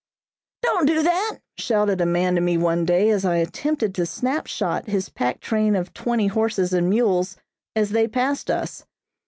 "Don't do that!" shouted a man to me one day, as I attempted to "snap shot" his pack train of twenty horses and mules as they passed us.